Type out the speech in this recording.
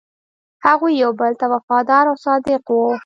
هغوی یو بل ته وفادار او صادق وو.